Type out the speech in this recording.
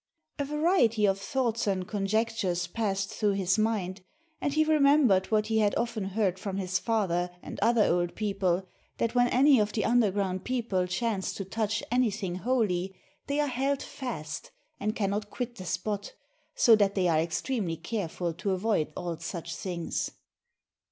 A variety of thoughts and conjectures passed through his mind, and he remembered what he had often heard from his father and other old people, that when any of the underground people chance to touch anything holy they are held fast and cannot quit the spot, and so they are extremely careful to avoid all such things.